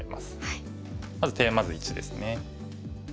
まずテーマ図１ですね。